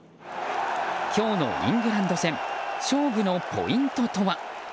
今日のイングランド戦勝負のポイントとは。